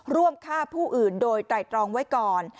ร่วมฆ่าผู้อื่นโดยไตรตรองไว้ก่อน